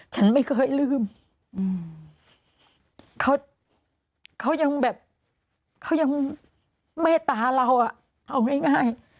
ฉันไม่เคยลืมเขายังแม่ตาเราเอาง่าย